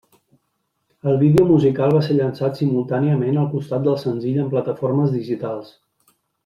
El vídeo musical va ser llançat simultàniament al costat del senzill en plataformes digitals.